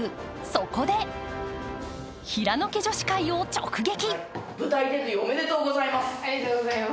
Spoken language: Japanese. そこで、平野家女子会を直撃。